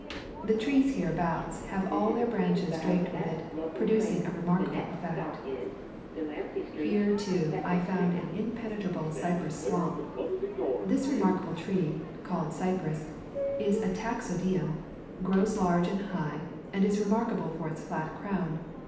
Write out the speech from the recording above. The trees hereabouts have all their branches draped with it, producing a re markable effect. Here, too, I found an impenetrable cypress swamp. This remarkable tree, called cypress, is a taxodium, grows large and high, and is remarkable for its flat crown.